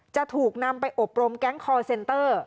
จะถูกนำไปอบรมแก๊งคอร์เซนเตอร์